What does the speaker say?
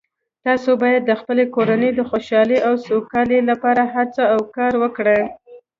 تاسو باید د خپلې کورنۍ د خوشحالۍ او سوکالۍ لپاره هڅې او کار وکړئ